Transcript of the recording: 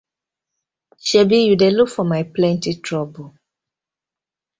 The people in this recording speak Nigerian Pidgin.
Sebi yu dey look for my plenty trouble.